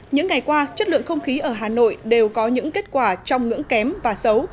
những ngày qua chất lượng không khí ở hà nội đều có những kết quả trong ngưỡng kém và xấu